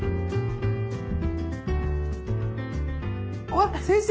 わっ先生